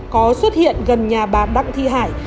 có xuất hiện gần nhà bà đặng thi hải